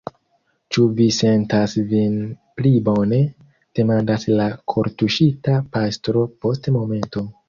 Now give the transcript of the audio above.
Ĉu vi sentas vin pli bone? demandas la kortuŝita pastro post momento.